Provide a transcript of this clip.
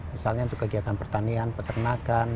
misalnya untuk kegiatan pertanian pertanian perusahaan